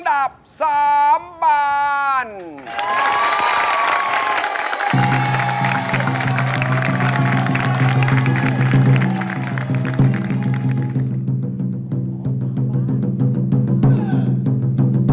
โอ้โฮ